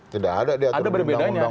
tidak ada diatur di undang undang